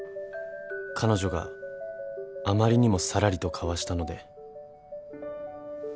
［彼女があまりにもさらりとかわしたので。］